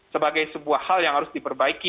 sebagai sebuah hal yang harus diperbaiki